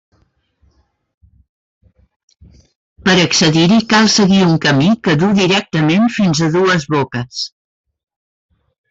Per a accedir-hi cal seguir un camí que duu directament fins a dues boques.